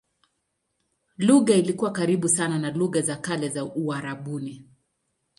Lugha ilikuwa karibu sana na lugha za kale za Uarabuni.